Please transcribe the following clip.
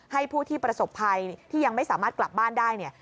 ให้ผู้ที่ประสบภัยที่ยังไม่สามารถกลับบ้านได้เนี่ย